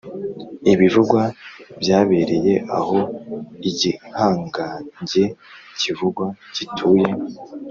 ibivugwa byabereye aho igihangange kivugwa gituye